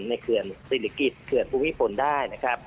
เขื่อนศิริกิจเขื่อนภูมิพลได้นะครับ